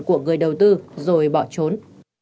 của người đầu tư rồi bỏ trốn